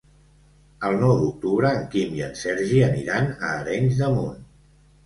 El nou d'octubre en Quim i en Sergi aniran a Arenys de Munt.